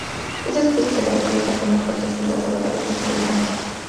Esta especie se caracteriza por una fuerte habilidad voladora y por su inteligencia.